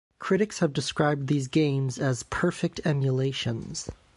Critics have described these games as "perfect emulations".